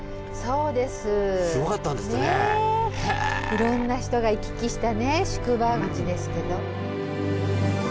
いろんな人が行き来したね宿場町ですけど。